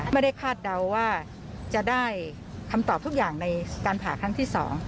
คาดเดาว่าจะได้คำตอบทุกอย่างในการผ่าครั้งที่๒